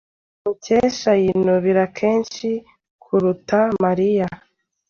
Mukesha yinubira kenshi kuruta Mariya.